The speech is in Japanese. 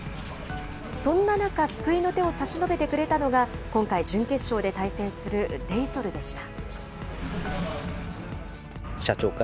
そんな中、救いの手を差し伸べてくれたのが今回、準決勝で対戦するレイソルでした。